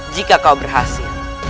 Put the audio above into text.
jika kau berhasil